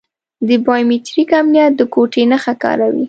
د بایو میتریک امنیت د ګوتې نښه کاروي.